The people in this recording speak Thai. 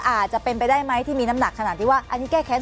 อาจจะเป็นไปได้ไหมที่มีน้ำหนักขนาดที่ว่าอันนี้แก้แค้น